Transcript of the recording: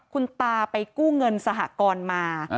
คุณตาไปกู้เครื่องเงินสหกรณ์มา